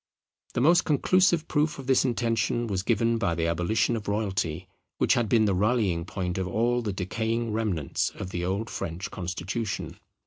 The most conclusive proof of this intention was given by the abolition of royalty; which had been the rallying point of all the decaying remnants of the old French constitution.